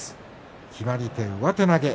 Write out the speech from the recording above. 決まり手、上手投げ。